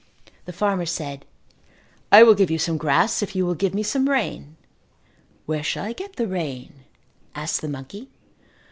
The farmer said, "I will give you some grass if you will give me some rain." "Where shall I get the rain?" asked the monkey.